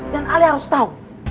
dan kalian harus tau